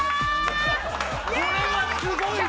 これはすごいぞ。